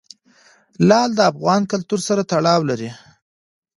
لعل د افغان کلتور سره تړاو لري.